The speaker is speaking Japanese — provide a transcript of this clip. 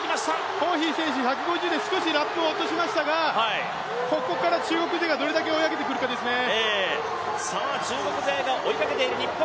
ホーヒー選手、１５０で少しラップを落としましたがここから中国勢がどれだけ追い上げてくるかですね。